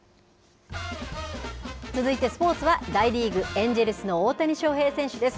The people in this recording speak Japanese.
続いてスポーツは、大リーグ・エンジェルスの大谷翔平選手です。